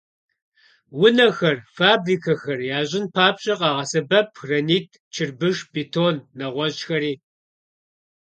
Унэхэр, фабрикэхэр ящӀын папщӀэ, къагъэсэбэп гранит, чырбыш, бетон, нэгъуэщӀхэри.